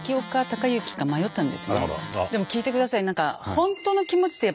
でも聞いてください。